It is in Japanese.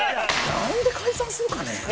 なんで解散するかね？